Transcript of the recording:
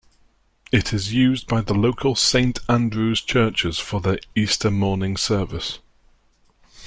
It is used by the local Saint Andrews churches for their Easter morning service.